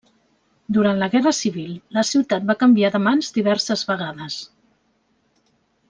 Durant la guerra civil la ciutat va canviar de mans diverses vegades.